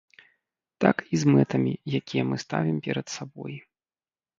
Так і з мэтамі, якія мы ставім перад сабой.